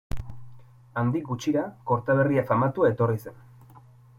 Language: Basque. Handik gutxira, Kortaberria famatua etorri zen.